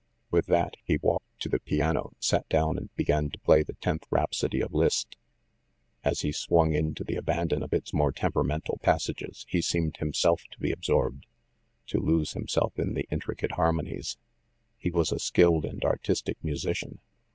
With that, he walked to the piano, sat down, and began to play the tenth rhapsody of Liszt. As he swung into the abandon of its more temperamental passages, he seemed himself to be absorbed, to lose himself in the intricate harmonies. He was a skilled and artistic musician.